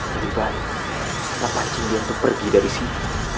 lebih baik kita pancing dia untuk pergi dari sini